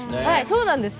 そうなんです。